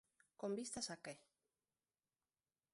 Con vistas a que?